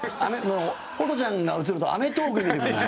ホトちゃんが映ると『アメトーーク』に見えてくる。